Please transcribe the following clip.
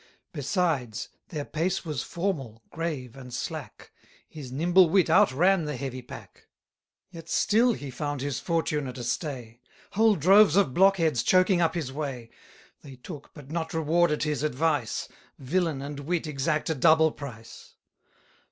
Besides, their pace was formal, grave, and slack; His nimble wit outran the heavy pack. Yet still he found his fortune at a stay: Whole droves of blockheads choking up his way; They took, but not rewarded, his advice; Villain and wit exact a double price.